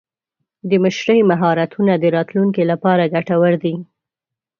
د مشرۍ مهارتونه د راتلونکي لپاره ګټور دي.